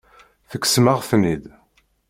Tekksem-aɣ-ten-id.